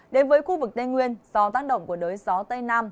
đến với khu vực tây nguyên do tác động của đới gió tây nam